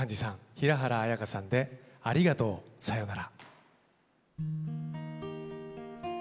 平原綾香さんで「ありがとうさようなら」。